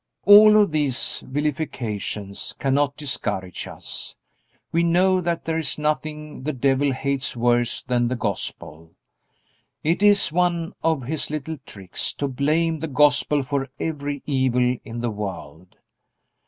All of these vilifications cannot discourage us. We know that there is nothing the devil hates worse than the Gospel. It is one of his little tricks to blame the Gospel for every evil in the world.